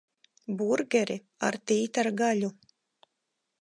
Burgeri ar tītara gaļu.